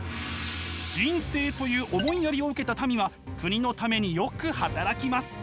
仁政という思いやりを受けた民は国のためによく働きます。